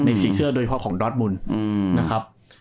ในศิลป์เชื่อโดยเฉพาะของดอทมุนนะครับ